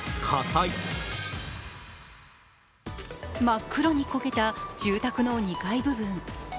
真っ黒に焦げた住宅の２階部分。